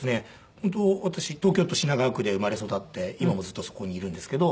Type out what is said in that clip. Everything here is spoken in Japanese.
本当私東京都品川区で生まれ育って今もずっとそこにいるんですけど。